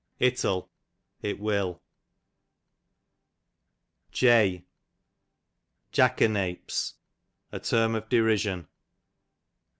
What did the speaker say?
Ittle, it will. Jackanapes, a term of derision.